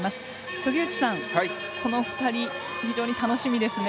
杉内さん、この２人非常に楽しみですね。